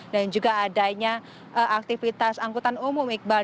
dan juga adanya aktivitas angkutan umum iqbal